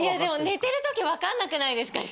寝てる時分かんなくないですか？